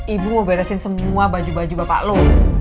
ibu mau beresin semua baju baju bapak lo